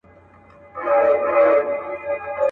د غیرت ټیټو شملو ته لوپټه له کومه راوړو.